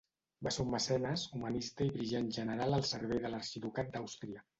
Va ser un mecenes, humanista i brillant general al servei de l'Arxiducat d'Àustria.